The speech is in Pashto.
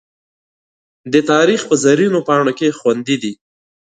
د تاریخ په زرینو پاڼو کې خوندي دي.